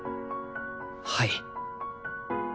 はい。